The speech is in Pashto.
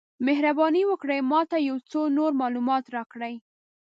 مهرباني وکړئ ما ته یو څه نور معلومات راکړئ؟